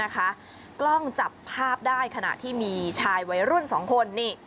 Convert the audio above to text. กล้องจับภาพได้ขณะที่มีชายวัยรุ่น๒คน